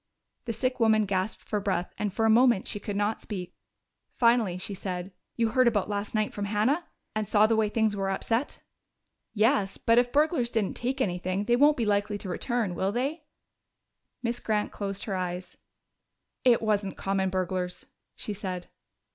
The sick woman gasped for breath and for a moment she could not speak. Finally she said, "You heard about last night from Hannah? And saw the way things were upset?" "Yes. But if the burglars didn't take anything, they won't be likely to return, will they?" Miss Grant closed her eyes. "It wasn't common burglars," she said.